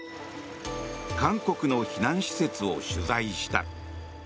韓国の避難施設を取材した。